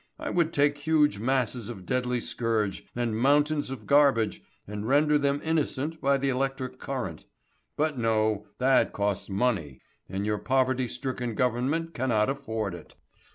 I would take huge masses of deadly scourge and mountains of garbage, and render them innocent by the electric current. But no; that costs money, and your poverty stricken Government cannot afford it.